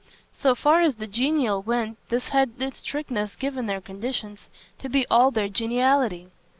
So far as the genial went this had in strictness, given their conditions, to be all their geniality.